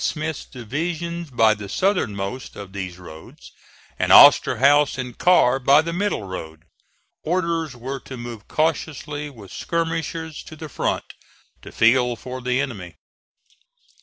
Smith's divisions by the southernmost of these roads, and Osterhaus and Carr by the middle road. Orders were to move cautiously with skirmishers to the front to feel for the enemy.